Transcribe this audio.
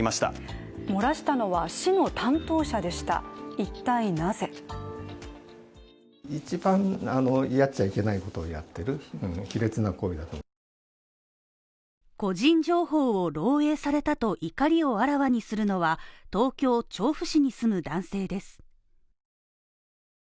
いったいなぜ個人情報を漏洩されたと怒りをあらわにするのは、東京調布市に住む男性です。